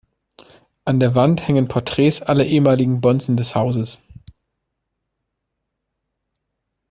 An der Wand hängen Porträts aller ehemaligen Bonzen des Hauses.